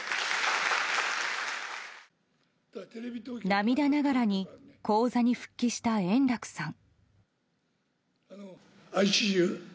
涙ながらに高座に復帰した円楽さん。